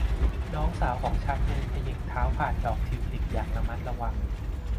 น้องสาวของฉันเดินเขย่งเท้าผ่านดอกทิวลิปอย่างระมัดระวัง